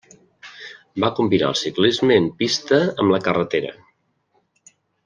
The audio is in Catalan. Va combinar el ciclisme en pista amb la carretera.